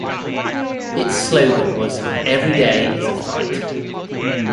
Its slogan was Every day is a fight.